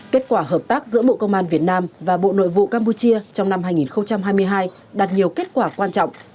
kết quả hợp tác giữa bộ công an việt nam và bộ nội vụ campuchia trong năm hai nghìn hai mươi hai đạt nhiều kết quả quan trọng